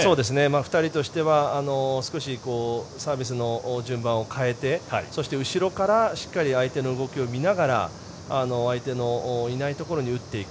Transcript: ２人としてはサービスの順番を変えてそして後ろからしっかり相手の動きを見ながら相手のいないところに打っていく。